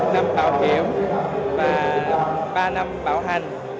năm bảo hiểm và ba năm bảo hành